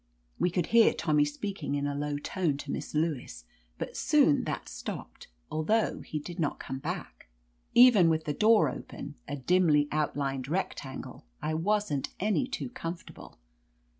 We could hear Tommy speaking in a low tone to Missf Lewis, but soon that stopped, al though he did not come back. Even with the door open, a dimly outlined rectangle, I wasn't any too comfortable.